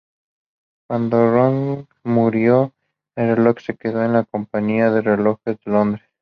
Cuando Ruth murió, el reloj se quedó en la "Compañía de Relojeros de Londres".